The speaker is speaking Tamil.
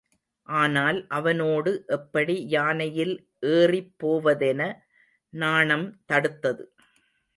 ஆனால் அவனோடு எப்படி யானையில் ஏறிப் போவதென நாணம் தடுத்தது.